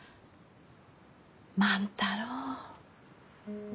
万太郎。